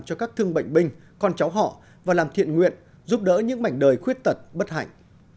cho các thương bệnh binh con cháu họ và làm thiện nguyện giúp đỡ những mảnh đời khuyết tật bất hạnh